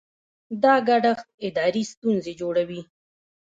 دا ګډښت اداري ستونزې جوړوي.